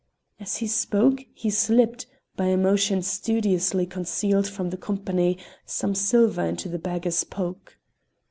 As he spoke he slipped, by a motion studiously concealed from the company, some silver into the beggar's poke.